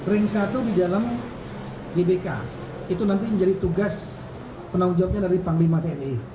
ring satu di dalam gbk itu nanti menjadi tugas penanggung jawabnya dari panglima tni